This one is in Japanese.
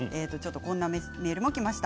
こんなメールもきました。